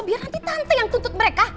biar nanti tante yang tuntut mereka